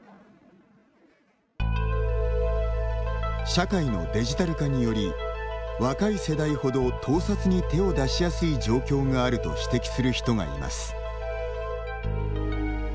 社会のデジタル化により若い世代ほど盗撮に手を出しやすい状況があると指摘する人がいます。